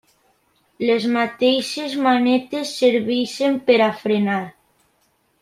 Les mateixes manetes serveixen per a frenar.